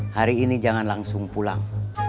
hari ini jangan langsung pulang